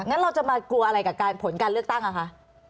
งั้นเราจะมากลัวอะไรกับการผลการเลือกตั้งอะคะ